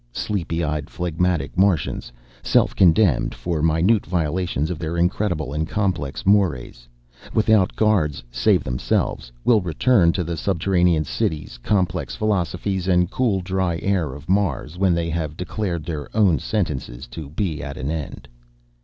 Sleepy eyed, phlegmatic Martians, self condemned for minute violations of their incredible and complex mores without guards save themselves will return to the subterranean cities, complex philosophies, and cool, dry air of Mars when they have declared their own sentences to be at an end.